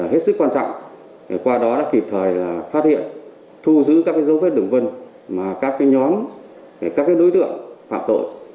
hết sức quan trọng qua đó đã kịp thời phát hiện thu giữ các dấu vết đường vân các nhóm các đối tượng phạm tội